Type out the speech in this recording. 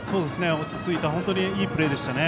落ち着いた本当にいいプレーでしたね。